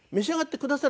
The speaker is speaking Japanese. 「くださる？」